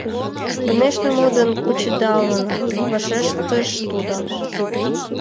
— Конешне, модын кучедалына! — вашештыш тудо.